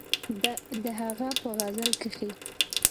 د هغه په غزل کښې